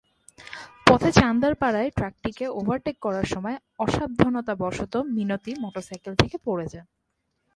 পথে চান্দারপাড়ায় ট্রাকটিকে ওভারটেক করার সময় অসাবধানতাবশত মিনতি মোটরসাইকেল থেকে পড়ে যান।